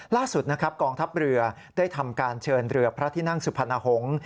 ล่าสุดนะครับกองทัพเรือได้ทำการเชิญเรือพระที่นั่งสุพรรณหงษ์